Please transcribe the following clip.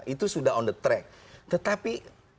itu sudah on the track tetapi